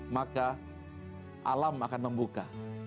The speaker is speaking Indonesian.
maka alam akan membuka